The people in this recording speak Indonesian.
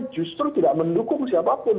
justru tidak mendukung siapapun